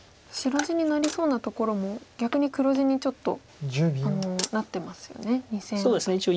白地になりそうなところも逆に黒地にちょっとなってますよね